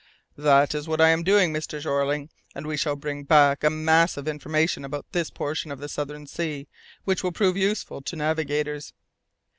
"That is just what I am doing, Mr. Jeorling, and we shall bring back a mass of information about this portion of the southern sea which will prove useful to navigators."